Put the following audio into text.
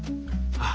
ああ。